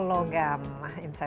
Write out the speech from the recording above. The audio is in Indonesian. memperhatikan apa yang ada tergantung